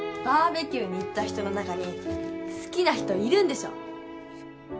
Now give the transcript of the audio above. バーベキューに行った人の中に好きな人いるんでしょ？